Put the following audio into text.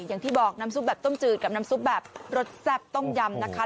อย่างที่บอกน้ำซุปแบบต้มจืดกับน้ำซุปแบบรสแซ่บต้มยำนะคะ